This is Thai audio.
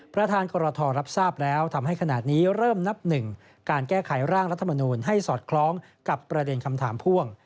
ประธานกรทรรับทราบแล้วทำให้ขณะนี้เริ่มนับหนึ่งการแก้ไขร่างรัฐมนูลให้สอดคล้องกับประเด็นคำถามพ่วง